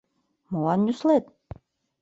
Молан нюслет?